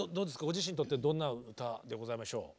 ご自身にとってどんな歌でございましょう？